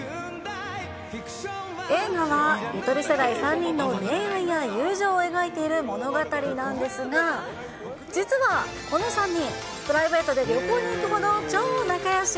映画はゆとり世代３人の恋愛や友情を描いている物語なんですが、実はこの３人、プライベートで旅行に行くほど超仲よし。